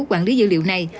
quản lý dữ liệu này